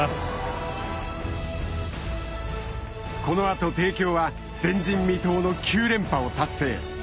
このあと帝京は前人未到の９連覇を達成。